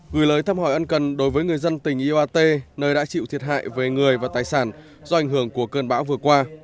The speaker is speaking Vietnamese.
gửi lời thăm hỏi ân cần đối với người dân tỉnh ioat nơi đã chịu thiệt hại về người và tài sản do ảnh hưởng của cơn bão vừa qua